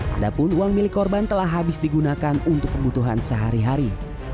padahal uang milik korban telah habis digunakan untuk kebutuhan sehari hari